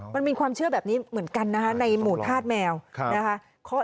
มันมีความเชื่อแบบนี้เหมือนกันนะคะในหมู่ธาตุแมวนะคะ